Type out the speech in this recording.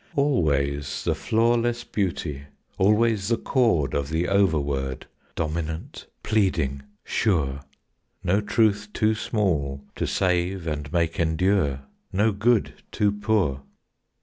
Always the flawless beauty, always the chord Of the Overword, Dominant, pleading, sure, No truth too small to save and make endure. No good too poor!